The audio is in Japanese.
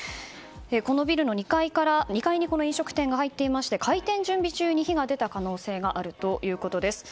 このビルの２階に飲食店が入っていまして開店準備中に火が出た可能性があるということです。